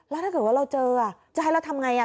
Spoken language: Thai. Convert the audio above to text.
แล้วถ้าเกิดว่าเราเจอจะให้เราทำไง